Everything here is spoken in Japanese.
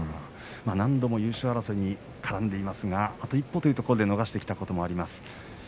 何度も優勝争いに絡んでいますがあと一歩というところで逃してきたところもあります。